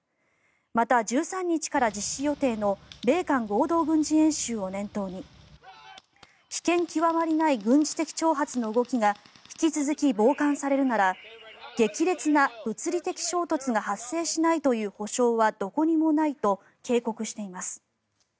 また、１３日から実施予定の米韓合同軍事演習を念頭に危険極まりない軍事的挑発の動きが引き続き傍観されるなら激烈な物理的衝突が発生しないという保証はどこにもないと警告しています。